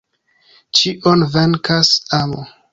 Ĉion venkas amo.